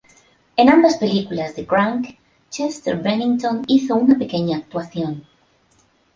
En ambas películas de "Crank", Chester Bennington hizo una pequeña actuación.